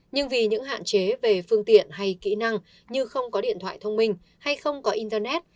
nhưng vì những hạn chế về phương tiện hay kỹ năng như không có điện thoại thông minh hay không có internet